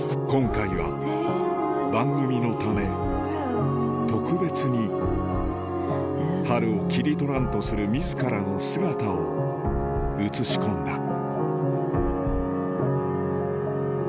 今回は番組のため特別に春を切り取らんとする自らの姿を写し込んだ